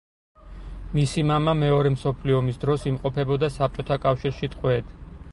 მისი მამა მეორე მსოფლიო ომის დროს იმყოფებოდა საბჭოთა კავშირში ტყვედ.